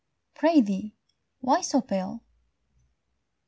Prithee, why so pale?